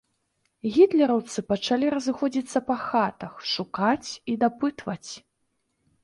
Гітлераўцы пачалі разыходзіцца па хатах, шукаць і дапытваць.